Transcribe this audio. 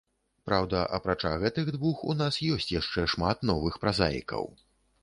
Праўда, апрача гэтых двух, у нас ёсць яшчэ шмат новых празаікаў.